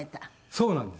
そうなんです。